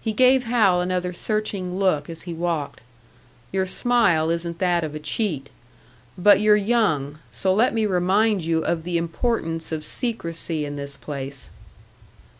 He gave Hal another searching look as he walked. "Your smile isn't that of a cheat. But you're young so let me remind you of the importance of secrecy in this place."